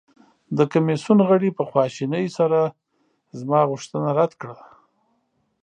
د کمیسیون غړي په خواشینۍ سره زما غوښتنه رد کړه.